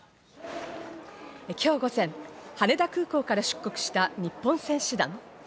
今日午前、羽田空港から出国した日本選手団。